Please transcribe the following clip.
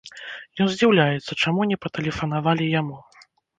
Ён здзіўляецца, чаму не патэлефанавалі яму?